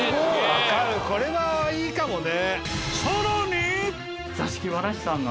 わかるこれはいいかもね。